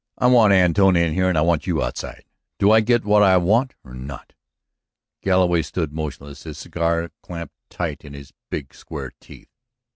I want Antone in here and I want you outside! Do I get what I want or not?" Galloway stood motionless, his cigar clamped tight in his big square teeth.